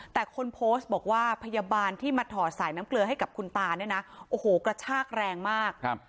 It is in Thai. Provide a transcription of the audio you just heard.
แต่คนโพสต์บอกว่าพยาบาลที่มาถอดสายน้ำเกลือให้กับคุณตาเนี่ยนะโอ้โหกระชากแรงมาก